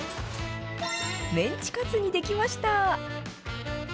メンチカツに出来ました。